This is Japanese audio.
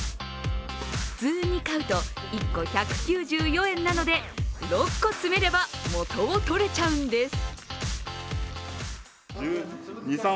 普通に買うと１個１９４円なので、６個詰めれば元を取れちゃうんです。